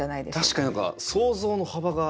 確かに何か想像の幅が。